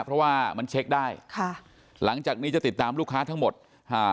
เพราะว่ามันเช็คได้ค่ะหลังจากนี้จะติดตามลูกค้าทั้งหมดอ่า